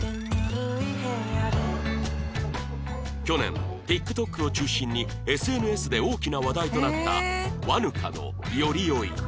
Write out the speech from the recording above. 去年 ＴｉｋＴｏｋ を中心に ＳＮＳ で大きな話題となった和ぬかの『寄り酔い』